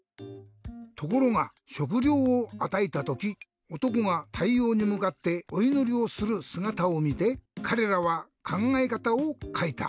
ところがしょくりょうをあたえたときおとこがたいようにむかっておいのりをするすがたをみてかれらはかんがえかたをかえた。